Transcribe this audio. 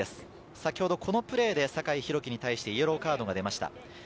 先ほどこのプレーで酒井宏樹に対してイエローカードが出ました。